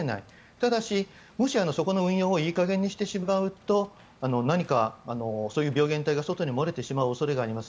ただし、もし、そこの運用をいい加減にしてしまうと何かそういう病原体が外に漏れてしまう恐れがあります。